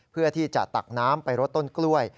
เพื่อที่จะตักน้ำไปรดต้นกล้วย